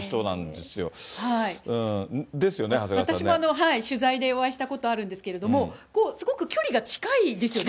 ですよね、私も、取材でお会いしたことあるんですけれども、すごく距離が近いんですよね。